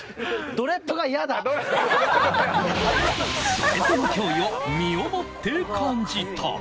ドレッドの脅威を身をもって感じた。